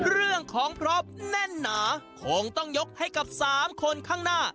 เรื่องของพร้อมแน่นหนาคงต้องยกให้กับ๓คนข้างหน้า